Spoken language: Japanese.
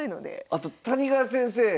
あと谷川先生